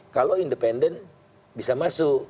kalau independen bisa masuk